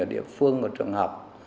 ở địa phương ở trường học